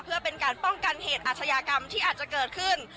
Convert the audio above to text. เพื่อเป็นการป้องกันเหตุอาชญากรรมที่อาจจะเกิดขึ้น